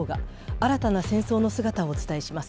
新たな戦争の姿をお伝えします。